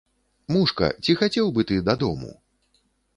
Мушка, ці хацеў бы ты дадому?